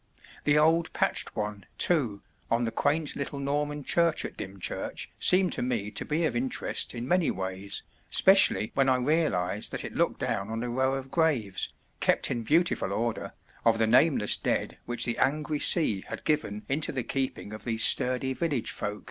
The old patched one, too, on the quaint little Norman church at Dymchurch seemed to me to be of interest in many ways, specially when I realized that it looked down on a row of graves, kept in beautiful order, of the nameless dead which the angry sea had given into the keeping of these sturdy village folk.